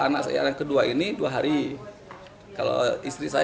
jadi memang posisinya terpisah di sana